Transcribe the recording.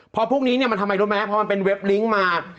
พอพวกนี้ทำไมรู้มั้ยเพราะมันเป็นเว็บลิงค์มา